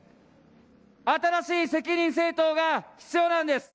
新しい責任政党が必要なんです。